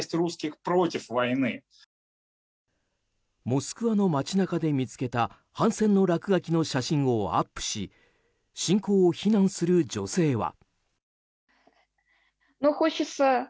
モスクワの街中で見つけた反戦の落書きの写真をアップし侵攻を非難する女性は。